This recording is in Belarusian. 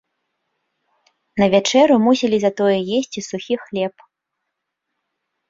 На вячэру мусілі затое есці сухі хлеб.